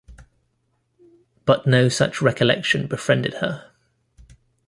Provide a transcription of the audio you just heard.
But no such recollection befriended her.